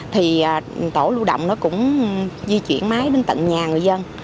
thì tổ lưu động nó cũng di chuyển máy đến tận nhà người dân